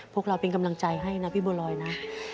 พวกเราเป็นกำลังใจให้นะพี่บัวลอยนะ